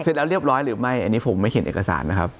เสร็จแล้วเรียบร้อยหรือไม่อันนี้ผมไม่เขียนเอกสารนะครับ